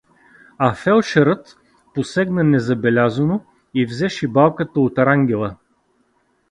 А фелдшерът посегна незабелязано и взе шибалката от Рангела.